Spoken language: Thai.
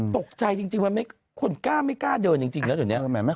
ตกใจจริงมันคนกล้าไม่กล้าเดินจริงแล้วเดี๋ยวนี้